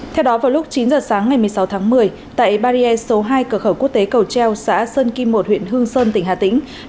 theo đó vào lúc chín giờ sáng ngày một mươi sáu tháng một mươi tại barrier số hai cửa khẩu quốc tế cầu treo xã sơn kim một huyện hương sơn tỉnh hà tĩnh